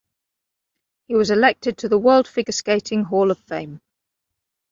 He was elected to the World Figure Skating Hall of Fame.